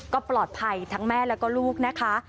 ก็ปลอดภัยทั้งแม่แล้วก็ลูกนะคะ